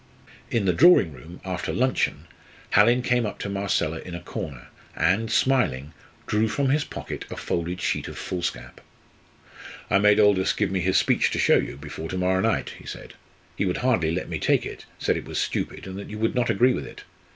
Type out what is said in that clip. In the drawing room, after luncheon, Hallin came up to Marcella in a corner, and, smiling, drew from his pocket a folded sheet of foolscap. "I made Aldous give me his speech to show you, before to morrow night," he said. "He would hardly let me take it, said it was stupid, and that you would not agree with it.